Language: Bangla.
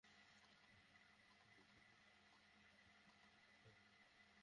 রাতটা যদি এখানে থাকো, অ্যাঞ্জেলা মনে হয় ভালো হবে সেটা!